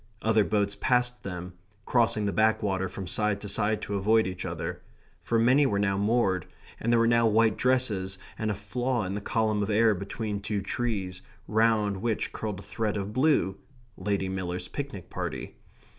Other boats passed them, crossing the backwater from side to side to avoid each other, for many were now moored, and there were now white dresses and a flaw in the column of air between two trees, round which curled a thread of blue Lady Miller's picnic party.